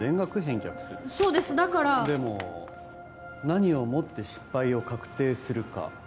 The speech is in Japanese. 何をもって失敗を確定するか